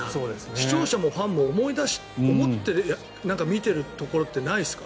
視聴者もファンも思って見てるところってないですか。